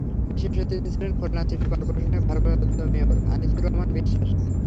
বিশেষ অতিথি ছিলেন খুলনা সিটি করপোরেশনের ভারপ্রাপ্ত মেয়র আনিছুর রহমান বিশ্বাস।